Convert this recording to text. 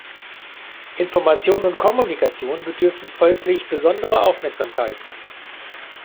Information und Kommunikation bedürfen folglich besonderer Aufmerksamkeit.